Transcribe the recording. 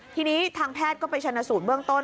ทีนี้ทางแพทย์ก็ไปชนะสูตรเบื้องต้น